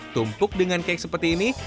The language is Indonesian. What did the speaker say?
tumpuk dengan cake seperti ini